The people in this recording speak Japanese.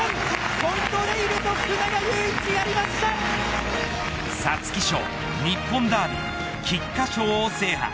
コントレイルと皐月賞、日本ダービー菊花賞を制覇。